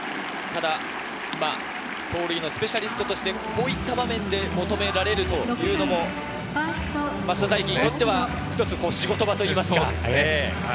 走塁のスペシャリストとしてこういった場面で求められるというのも、増田大輝にとっては一つの仕事場といいますか。